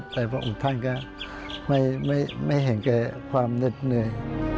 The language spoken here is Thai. แต่พระองค์ท่านก็ไม่เห็นแก่ความเหน็ดเหนื่อย